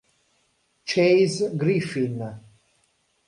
Chase Griffin